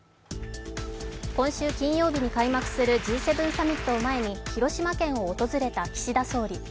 今週金曜日に開幕するＧ７サミットを前に、広島県を訪れた岸田総理。